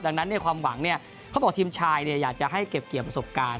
ดังนั้นเนี่ยความหวังเนี่ยเขาบอกทีมชายเนี่ยอยากจะให้เก็บเกี่ยวประสบการณ์